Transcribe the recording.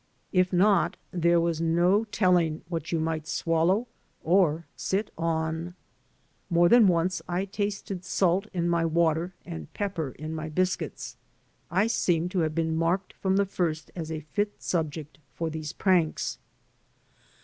If not, there was no telling what you might swallow or sit on. More than once I tasted salt in my water and pepper in my biscuits. I seemed to have been marked from the first as a fit subject for these pranks.